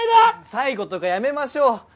最期とかやめましょう。